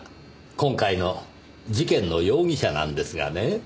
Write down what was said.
今回の事件の容疑者なんですがね。